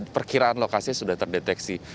perkiraan lokasinya sudah terdeteksi